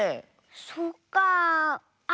そっかあ。